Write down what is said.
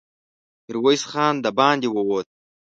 ميرويس خان د باندې ووت.